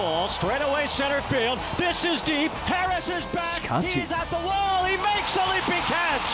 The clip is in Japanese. しかし。